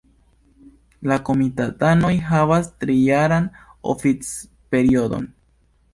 La komitatanoj havas trijaran oficperiodon.